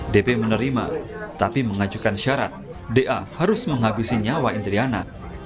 dp menerima tapi mengajukan syarat da harus menghabisi nyawa indriana